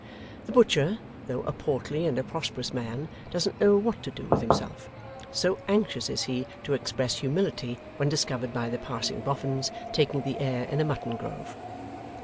The butcher, though a portly and a prosperous man, doesn't know what to do with himself; so anxious is he to express humility when discovered by the passing Boffins taking the air in a mutton grove.